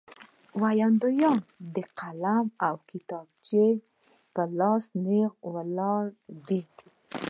ویاندویان قلم او کتابچه په لاس نېغ ولاړ دي.